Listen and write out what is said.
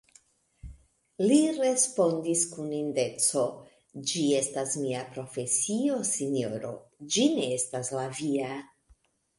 Li respondis kun indeco: Ĝi estas mia profesio, sinjoro: ĝi ne estas la via.